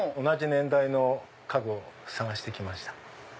同じ年代の家具を探して来ました。